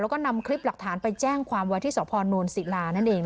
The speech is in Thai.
แล้วก็นำคลิปหลักฐานไปแจ้งความว่าที่สพนศิลานั่นเอง